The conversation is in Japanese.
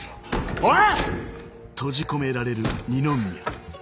おい‼